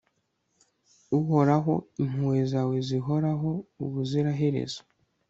uhoraho, impuhwe zawe zihoraho ubuziraherezo